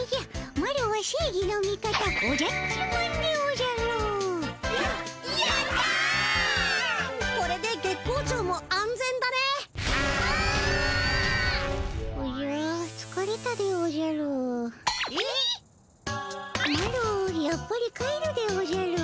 マロやっぱり帰るでおじゃる。